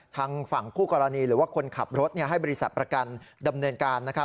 ทางฝั่งคู่กรณีหรือว่าคนขับรถให้บริษัทประกันดำเนินการ